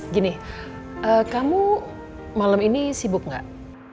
gini kamu malam ini sibuk gak